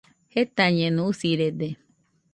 Jetañeno, usirede